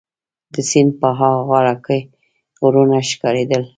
د سیند په ها غاړه کي غرونه ښکارېدل.